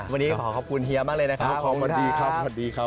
วันนี้ขอขอบคุณเฮียมากเลยนะครับขอบคุณครับ